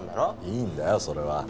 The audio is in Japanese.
いいんだよそれは